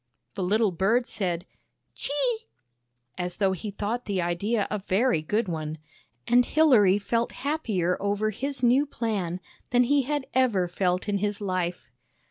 The little bird said " Chee! " as though he thought the idea a very good one, and Hilary felt happier over his new plan than he had ever felt in his life.